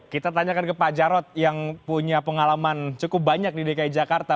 kita tanyakan ke pak jarod yang punya pengalaman cukup banyak di dki jakarta